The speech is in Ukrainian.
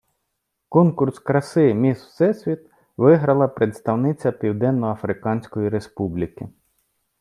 Конкурс краси "Міс Всесвіт" виграла представниця Південно-Африканської Республіки.